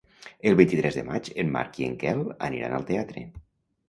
El vint-i-tres de maig en Marc i en Quel aniran al teatre.